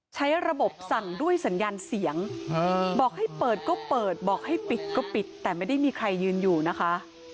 ใช้ระบบสั่งด้วยสัญญาณเสียงบอกให้เปิดก็เปิดบอกให้ปิดก็ปิดแต่ไม่ได้มีใครยืนอยู่นะคะ